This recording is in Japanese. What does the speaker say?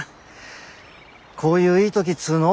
こういういい時っつうの？